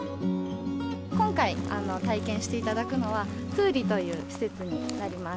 今回、体験していただくのは、トゥーリという施設になります。